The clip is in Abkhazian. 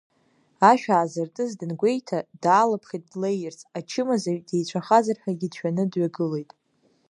Ашә аазыртыз дангәеиҭа, даалыԥхьеит длеирц, ачымазаҩ деицәахазар ҳәагьы дшәаны дҩагылеит.